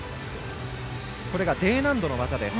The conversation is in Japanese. これがＤ難度の技です。